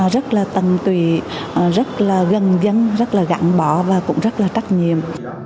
rất là tầng tùy rất là gần dân rất là gặn bỏ và cũng rất là trách nhiệm